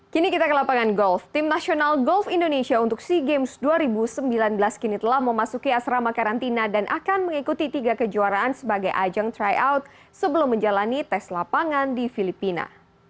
kini kita ke lapangan golf tim nasional golf indonesia untuk sea games dua ribu sembilan belas kini telah memasuki asrama karantina dan akan mengikuti tiga kejuaraan sebagai ajang tryout sebelum menjalani tes lapangan di filipina